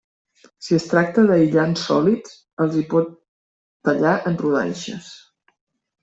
Si es tracta d'aïllants sòlids, els hi pot tallar en rodanxes.